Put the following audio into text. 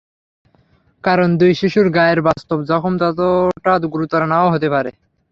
কারণ, দুই শিশুর গায়ের বাস্তব জখম ততটা গুরুতর নাও হতে পারে।